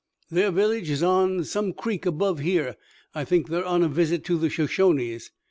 "Their village is on some creek above here. I think they're on a visit to the Shoshones.